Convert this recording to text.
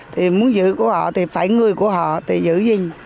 thì muốn giữ của họ thì phải người của họ thì giữ gìn